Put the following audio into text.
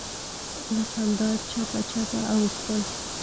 له خندا چپه چپه اوښتل.